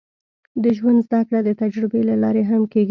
د ژوند زده کړه د تجربې له لارې هم کېږي.